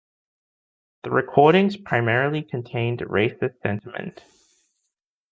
The recordings primarily contained racist sentiment.